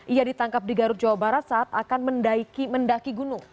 ia ditangkap di garut jawa barat saat akan mendaki gunung